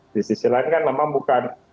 di sisi lain kan memang bukan